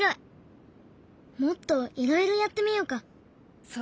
もっといろいろやってみようか。